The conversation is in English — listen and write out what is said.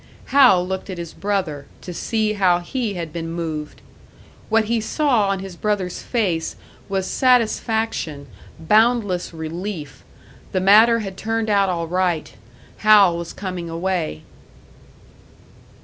Hal looked at his brother, to see how he had been moved. What he saw on his brother's face was satisfaction, boundless relief. The matter had turned out all right! Hal was coming away!